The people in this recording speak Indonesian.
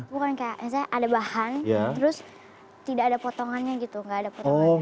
bukan kayak ada bahan terus tidak ada potongannya gitu gak ada potongannya